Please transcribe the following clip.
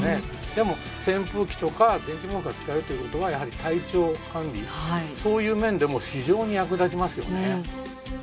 でも扇風機とか電気毛布が使えるという事はやはり体調管理そういう面でも非常に役立ちますよね。